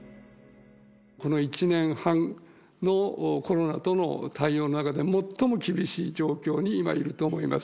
この１年半のコロナとの対応の中で最も厳しい状況に、今いると思います。